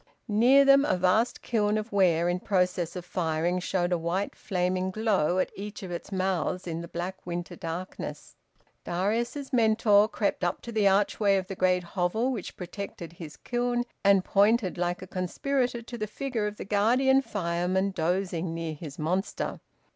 Near them a vast kiln of ware in process of firing showed a white flaming glow at each of its mouths in the black winter darkness. Darius's mentor crept up to the archway of the great hovel which protected the kiln, and pointed like a conspirator to the figure of the guardian fireman dozing near his monster.